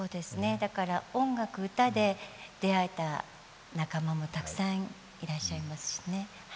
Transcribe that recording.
だから音楽、歌で出会えた仲間もたくさんいらっしゃいますしね。